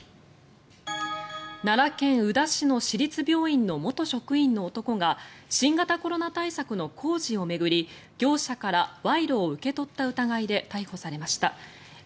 奈良県宇陀市の市立病院の元職員の男が新型コロナ対策の工事を巡り業者から賄賂を受け取った疑いで逮捕されました。